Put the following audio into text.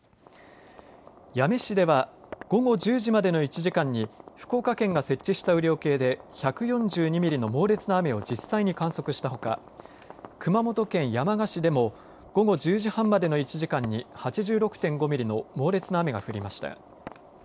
八女市では午後１０時までの１時間に福岡県が設置した雨量計で１４２ミリの猛烈な雨を実際に観測したほか熊本県山鹿市でも午後１０時半までの１時間に８６．５ミリの猛烈な雨が降りました。